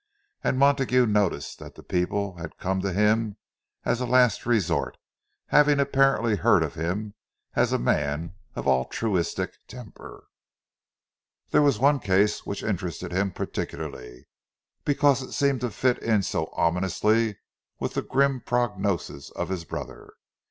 And Montague noticed that the people had come to him as a last resort, having apparently heard of him as a man of altruistic temper. There was one case which interested him particularly, because it seemed to fit in so ominously with the grim prognosis of his brother.